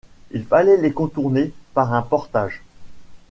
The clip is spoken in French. Il fallait les contourner par un portage.